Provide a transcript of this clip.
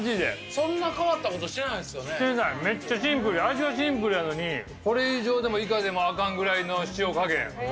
そんな変わったことしてないしてない、めっちゃシンプル、味はシンプルやのに、これ以上でも以下でもあかんぐらいの塩加減。